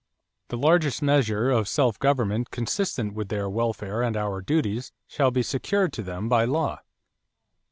The largest measure of self government consistent with their welfare and our duties shall be secured to them by law."